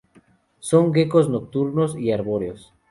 Son geckos nocturnos y arbóreos.